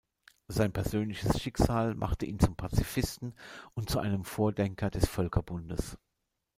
Sein persönliches Schicksal machte ihn zum Pazifisten und zu einem Vordenker des Völkerbundes.